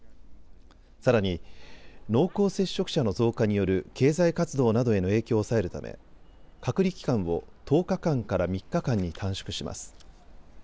さらに濃厚接触者の増加による経済活動などへの影響を抑えるため隔離期間を１０日間から３日間に短縮します。